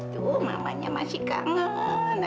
tuh mamanya masih kangen